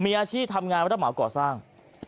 เมียอาชีพทำงานและรับเหมาเกาะสร้าง